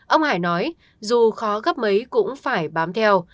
ông hải nói dù khó gấp mấy cũng phải bám theo